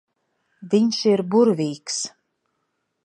Viņš ir burvīgs.